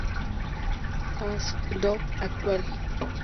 Ashdod actual.